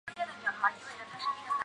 西藏亚菊为菊科亚菊属的植物。